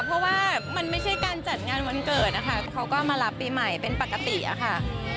เพราะว่ามันไม่ใช่การจัดงานวันเกิดนะคะเขาก็มารับปีใหม่เป็นปกติอะค่ะ